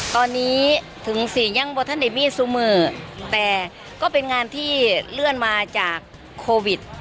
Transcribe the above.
ตอนนี้ถึง๔ยั่งบทนิมิสุมือแต่ก็เป็นงานที่เลื่อนมาจากโควิด